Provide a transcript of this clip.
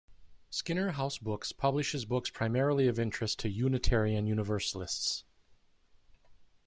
Skinner House Books publishes books primarily of interest to Unitarian Universalists.